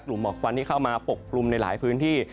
กลุ่มหมอกกวันที่เข้ามาปกปรุงในหลายพื้นที่